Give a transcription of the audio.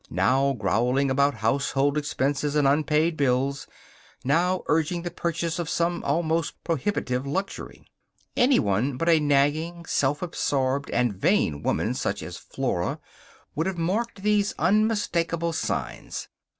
Now growling about household expenses and unpaid bills; now urging the purchase of some almost prohibitive luxury. Anyone but a nagging, self absorbed, and vain woman such as Flora would have marked these unmistakable signs.